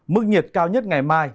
mức nhiệt cao nhất ngày mai